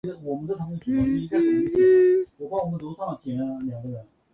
之后以台北民生社区为中心推广空手道。